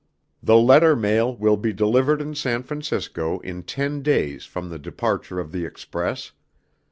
The letter mail will be delivered in San Francisco in ten days from the departure of the Express.